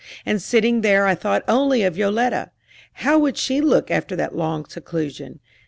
And sitting there I thought only of Yoletta. How would she look after that long seclusion?